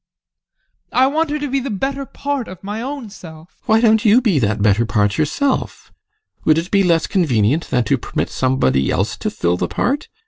I want her to be the better part of my own self. GUSTAV. Why don't you be that better part yourself? Would it be less convenient than to permit somebody else to fill the part?